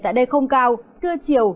tại đây không cao chưa chiều